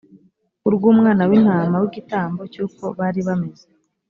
urw umwana w intama w igitambo cy uko bari bameze